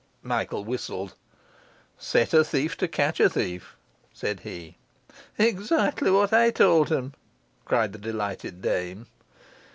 Michael whistled. 'Set a thief to catch a thief,' said he. 'Exac'ly what I told him!' cried the delighted dame.